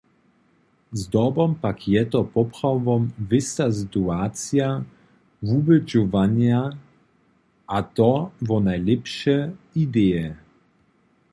Zdobom pak je to poprawom wěsta situacija wubědźowanja, a to wo nalěpše ideje.